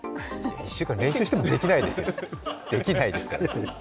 １週間練習してもできないですよできないですから。